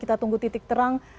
kita tunggu titik terang